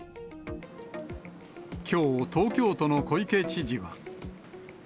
きょう、東京都の小池知事は。